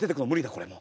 これもう。